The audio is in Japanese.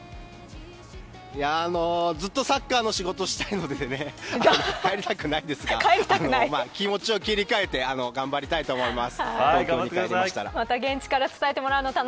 ずっとサッカーの仕事をしたいので、帰りたくないですが気持ちを切り替えて頑張りたいと思います。